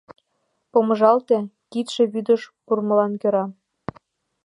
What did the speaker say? Помыжалте — кидше вӱдыш пурымылан кӧра.